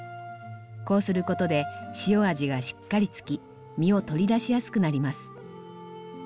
こうすることで塩味がしっかりつき実を取り出しやすくなります。